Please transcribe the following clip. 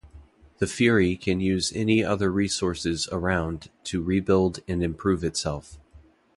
The Fury can use any other resources around to rebuild and improve itself.